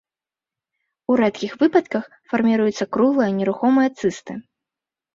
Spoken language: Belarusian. У рэдкіх выпадках фарміруюцца круглыя нерухомыя цысты.